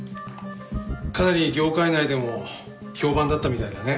かなり業界内でも評判だったみたいだね。